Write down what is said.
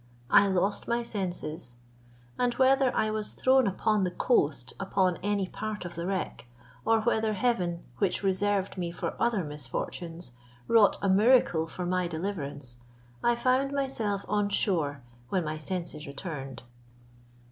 I lost my senses; and whether I was thrown upon the coast upon any part of the wreck, or whether heaven, which reserved me for other misfortunes, wrought a miracle for my deliverance, I found myself on shore when my senses returned.